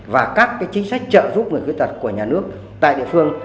và các chính sách trợ giúp người khuyết tật của nhà nước tại địa phương